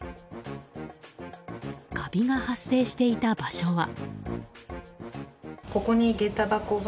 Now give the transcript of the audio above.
カビが発生していた場所は。